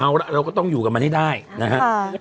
เอาละเราก็ต้องอยู่กับมันให้ได้นะครับ